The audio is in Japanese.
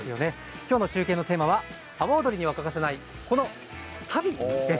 今日の中継のテーマは阿波踊りに欠かせない足袋です。